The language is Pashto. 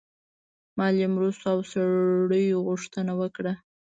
مالي مرستو او سړیو غوښتنه وکړه.